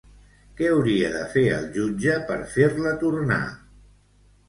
Què hauria de fer el jutge per fer-la tornar?